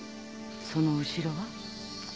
その後ろは？